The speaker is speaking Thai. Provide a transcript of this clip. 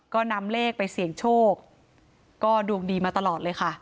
ก็นำเลขไปเสี่ยงโชคก็ดวงดีมาตลอดเลยค่ะ